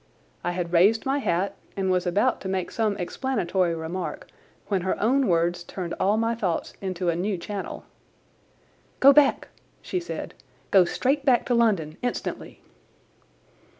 I had raised my hat and was about to make some explanatory remark when her own words turned all my thoughts into a new channel. "Go back!" she said. "Go straight back to London, instantly."